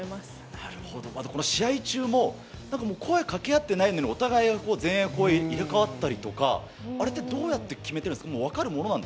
なるほど、試合中も、なんかもう、声掛け合ってないのにお互いが前衛、後衛、入れ代わったりとか、あれってどうやって決めてるんですか？